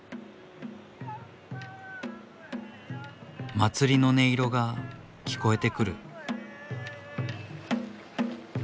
祭りの音色が聞こえてくる。